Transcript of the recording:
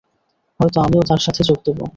হয়তো আমিও তার সাথে যোগ দেব।